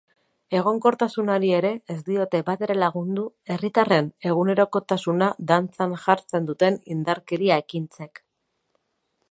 Egonkortasunari ere ez diote batere lagundu herritarren egunerokotasuna dantzan jartzen duten indarkeria ekintzek.